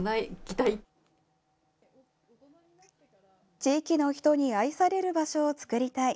地域の人に愛される場所を作りたい。